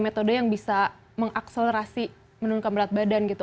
metode yang bisa mengakselerasi menurunkan berat badan gitu